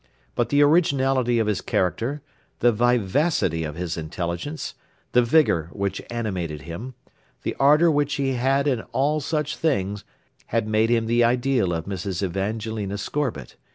But the originality of his character, the vivacity of his intelligence, the vigor which animated him, the ardor which he had in all such things, had made him the ideal of Mrs. Evangeline Scorbitt.